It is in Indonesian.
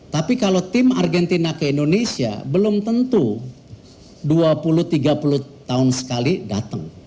tapi kalau tim argentina ke indonesia belum tentu dua puluh tiga puluh tahun sekali datang